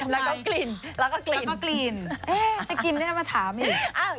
แล้วก็กลิ่นแล้วก็กลิ่นแล้วก็กลิ่นเอ๊ะแต่กินไม่ได้มาถามเหรอ